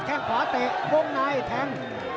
แค่งขวาเตะวงในแทง